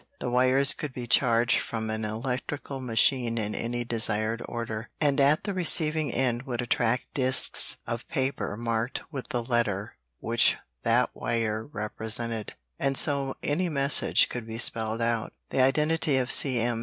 The wires could be charged from an electrical machine in any desired order, and at the receiving end would attract disks of paper marked with the letter which that wire represented, and so any message could be spelled out. The identity of "C.M."